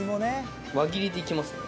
輪切りでいきますね。